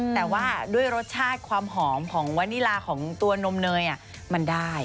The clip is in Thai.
แต่ว่าด้วยรสชาติความหอมของวานิลาของตัวนมเนยมันได้